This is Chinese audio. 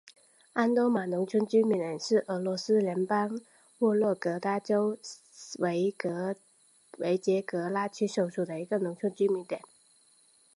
安多马农村居民点是俄罗斯联邦沃洛格达州维捷格拉区所属的一个农村居民点。